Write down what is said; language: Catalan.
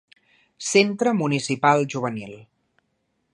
Centre Municipal Juvenil.